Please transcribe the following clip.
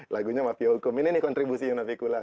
lagunya mafia hukum ini nih kontribusi yang ada fikula